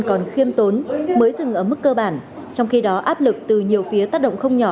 còn khiêm tốn mới dừng ở mức cơ bản trong khi đó áp lực từ nhiều phía tác động không nhỏ